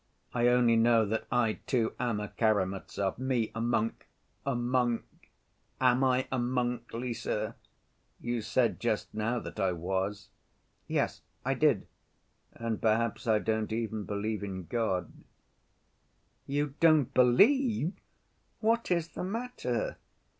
I only know that I, too, am a Karamazov.... Me a monk, a monk! Am I a monk, Lise? You said just now that I was." "Yes, I did." "And perhaps I don't even believe in God." "You don't believe? What is the matter?"